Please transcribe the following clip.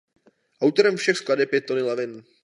Autorem všech skladeb je Tony Levin.